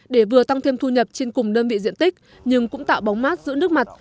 để vừa tăng thêm thu nhập trên cùng đơn vị diện tích nhưng cũng tạo bóng mát giữ nước mặt